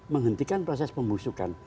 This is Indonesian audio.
menghentikan proses pembusukan